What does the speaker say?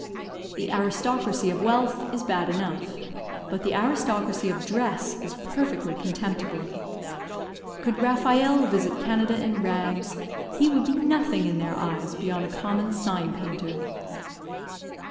The aristocracy of wealth is bad enough; but the aristocracy of dress is perfectly contemptible. Could Raphael visit Canada in rags, he would be nothing in their eyes beyond a common sign painter.